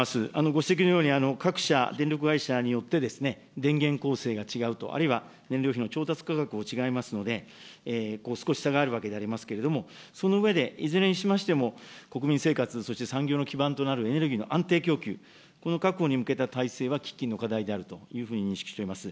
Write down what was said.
ご指摘のように、各社、電力会社によって、電源構成が違うと、あるいは燃料費の調達価格も違いますので、少し差があるわけでございますけれども、その上で、いずれにしましても、国民生活、そして産業の基盤となるエネルギーの安定供給、この確保に向けた体制は喫緊の課題であるというふうに認識しております。